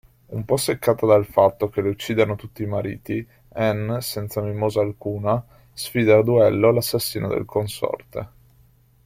Un po' seccata dal fatto che le uccidano tutti i mariti Anne, senza mimosa alcuna, sfida a duello l'assassino del consorte.